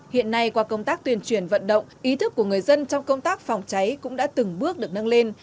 hiện nay qua công tác tuyên truyền vận động ý thức của người dân trong công tác phòng cháy cũng đã từng bước được nâng lên